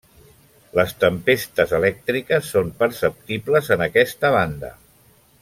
Les tempestes elèctriques són perceptibles en aquesta banda.